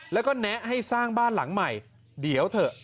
แล้วก็แนะให้สร้างบ้านหลังใหม่เดี๋ยวเถอะ